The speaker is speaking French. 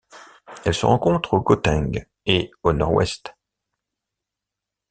Elle se rencontre au Gauteng et au Nord-Ouest.